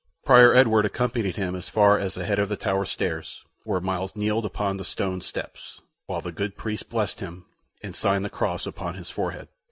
Prior Edward accompanied him as far as the head of the Tower stairs, where Myles kneeled upon the stone steps, while the good priest blessed him and signed the cross upon his forehead.